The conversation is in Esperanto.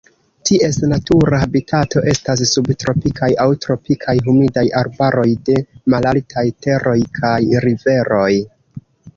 Ties natura habitato estas subtropikaj aŭ tropikaj humidaj arbaroj de malaltaj teroj kaj riveroj.